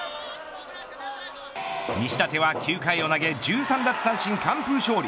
西舘は９回を投げ１３奪三振完封勝利。